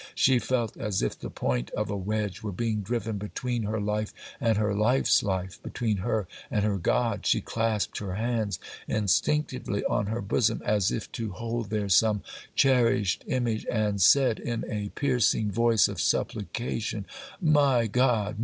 She felt as if the point of a wedge were being driven between her life and her life's life, between her and her God. She clasped her hands instinctively on her bosom, as if to hold there some cherished image, and said in a piercing voice of supplication, 'My God!